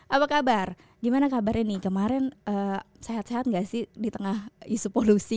apa kabar gimana kabarnya nih kemarin sehat sehat nggak sih di tengah isu polusi